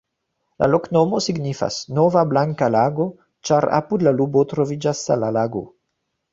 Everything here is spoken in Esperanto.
La loknomo signifas: nova-blanka-lago, ĉar apud la urbo troviĝas sala lago.